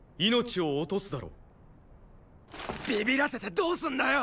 ビビらせてどうすんだよ！